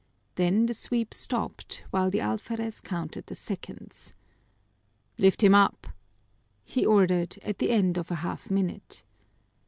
Then the sweep stopped while the alferez counted the seconds. "Lift him up!" he ordered, at the end of a half minute.